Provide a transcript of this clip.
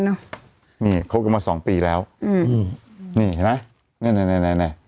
เนี่ยครบมาสองปีแล้วอืมนี่เหรอนั่นเนี่ยนั่นหน้า